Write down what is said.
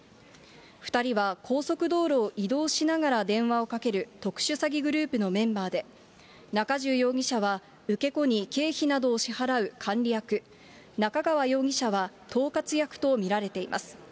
２人は高速道路を移動しながら電話をかける特殊詐欺グループのメンバーで、中重容疑者は、受け子に経費などを支払う管理役、中川容疑者は統括役と見られています。